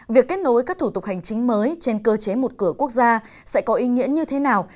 việc kết nối các thủ tục hành chính mới trên cơ chế một cửa quốc gia sẽ có ý nghĩa như thế nào